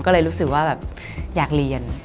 ก็เลยรู้สึกว่าแบบอยากเรียน